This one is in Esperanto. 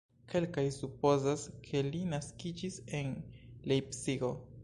Kelkaj supozas, ke li naskiĝis en Lejpcigo.